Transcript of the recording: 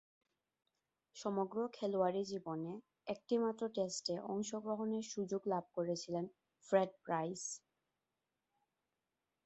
সমগ্র খেলোয়াড়ী জীবনে একটিমাত্র টেস্টে অংশগ্রহণের সুযোগ লাভ করেছিলেন ফ্রেড প্রাইস।